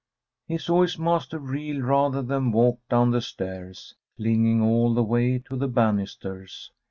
He saw his master reel, rather than walk, down the stairs, clinging all the way to the banisters.